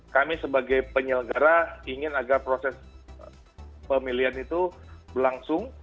kami sebagai penyelenggara ingin agar proses pemilihan itu berlangsung